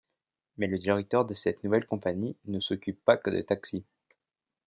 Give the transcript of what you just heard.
Mais le directeur de cette nouvelle compagnie, ne s'occupe pas que de taxis...